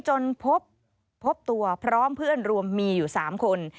จนพบตัวพร้อมเพื่อนรวมมีอยู่๓คน